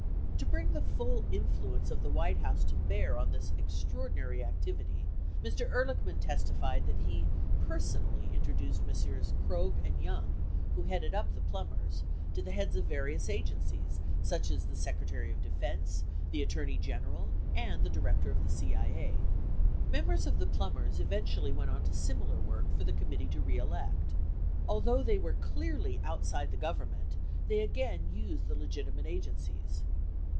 34 To bring the full influence of the White House to bear on this extraordinary activity, Mr. Elirlichman testified that he personally introduced Messrs. Krogh and Young, who headed up the Plumbers to the heads of various agencies, such as the Secretary of Defense, the Attorney General, and the Director of the CIA. 35 Members of the Plumbers eventually went on to similar work for the Committee To Re Elect, Although they were clearly outside the Government, they again used the legitimate agencies.